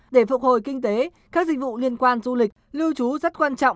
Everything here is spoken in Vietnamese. để phục hồi kinh tế các dịch vụ liên quan du lịch lưu trú rất quan trọng